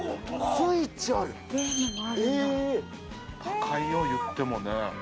「高いよ、いってもね」